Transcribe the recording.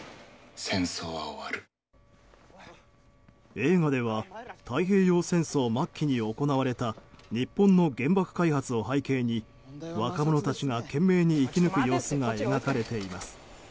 映画では太平洋戦争末期に行われた日本の原爆開発を背景に若者たちが懸命に生き抜く様子が描かれています。